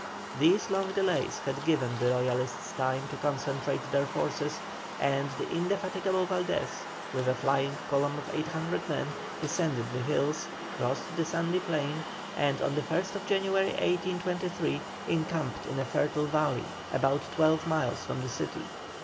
These long delays had given the Royalists time to concentrate their forces, and the indefatigable Valdés, with a flying column of 800 men, descended the hills, crossed the sandy plain, and on the 1st January, 1823, encamped in a fertile valley about twelve miles from the city.